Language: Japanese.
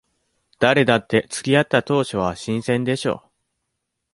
誰だって付き合った当初は新鮮でしょ。